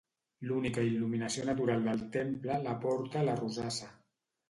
L'única il·luminació natural del temple l'aporta la rosassa.